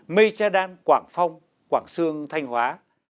mây tre đan quảng phong quảng sương thanh hóa